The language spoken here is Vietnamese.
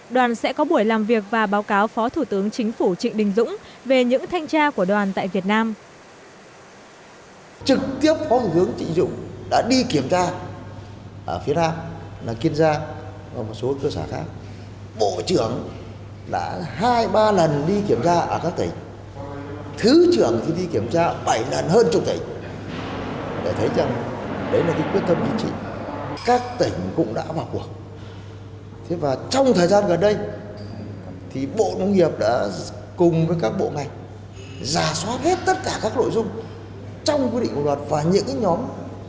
đoàn sẽ có buổi làm việc và báo cáo phó thủ tướng chính phủ trịnh đình dũng về những thanh tra của đoàn tại việt nam